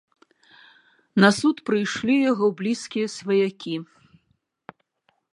На суд прыйшлі яго блізкія сваякі.